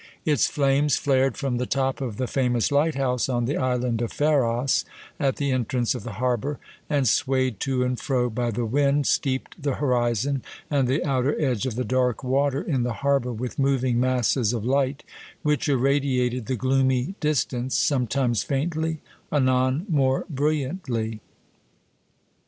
Its flames flared from the top of the famous lighthouse on the island of Pharos at the entrance of the harbour, and, swayed to and fro by the wind, steeped the horizon and the outer edge of the dark water in the harbour with moving masses of light which irradiated the gloomy distance, sometimes faintly, anon more brilliantly.